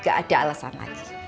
gak ada alasan lagi